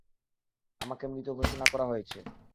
আমাকে মৃত ঘোষণা করা হয়েছে।